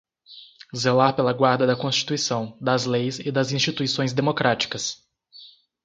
zelar pela guarda da Constituição, das leis e das instituições democráticas